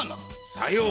さよう。